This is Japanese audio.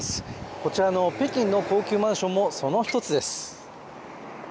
こちらの北京の高級マンションもその一つです。